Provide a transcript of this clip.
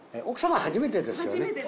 奥さまは初めてですよね？